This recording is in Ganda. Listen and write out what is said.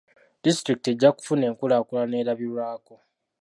Disitulikiti ejja kufuna enkulaakulana erabirwako.